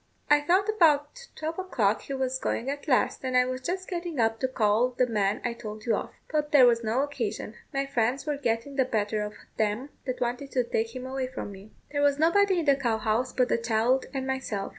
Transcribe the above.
I thought about twelve o'clock he was going at last, and I was just getting up to go call the man I told you of; but there was no occasion. My friends were getting the better of them that wanted to take him away from me. There was nobody in the cow house but the child and myself.